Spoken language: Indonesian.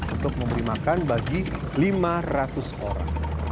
untuk memberi makan bagi lima ratus orang